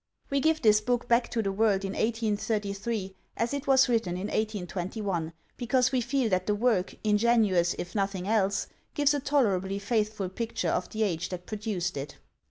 We give this book back to the world in 1833 as it was written in 1821, because we feel that the work, ingenuous, if nothing else, gives a tolerably faithful picture of the age that produced it.